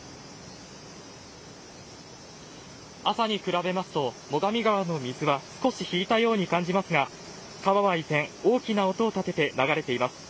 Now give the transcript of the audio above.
朝に比べますと最上川の水は少し引いたように感じますが川は依然大きな音を立てて流れています。